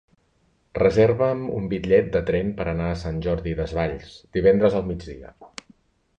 Reserva'm un bitllet de tren per anar a Sant Jordi Desvalls divendres al migdia.